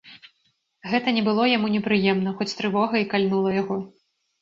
Гэта не было яму непрыемна, хоць трывога і кальнула яго.